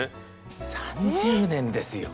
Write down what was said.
３０年ですよ！